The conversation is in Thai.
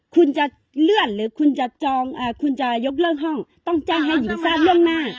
คุณจะเลื่อนหรือคุณจะจองคุณจะยกเลิกห้องต้องแจ้งให้หญิงทราบล่วงหน้า